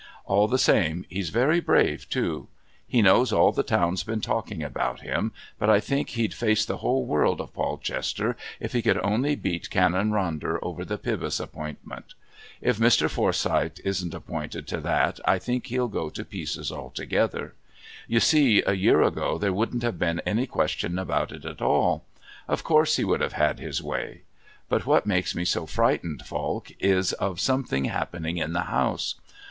All the same he's very brave too. He knows all the town's been talking about him, but I think he'd face a whole world of Polchesters if he could only beat Canon Ronder over the Pybus appointment. If Mr. Forsyth isn't appointed to that I think he'll go to pieces altogether. You see, a year ago there wouldn't have been any question about it at all. Of course he would have had his way. But what makes me so frightened, Falk, is of something happening in the house.